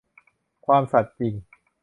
ความสัตย์จริง